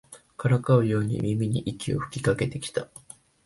からかうように耳に息を吹きかけてきた